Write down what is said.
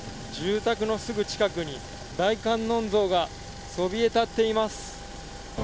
住宅のすぐ近くに、大観音像がそびえたっています。